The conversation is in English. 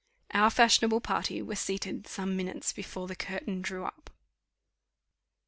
Our fashionable party was seated some minutes before the curtain drew up.